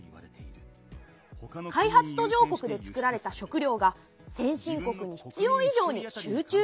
開発途上国で作られた食料が先進国に必要いじょうに集中していること。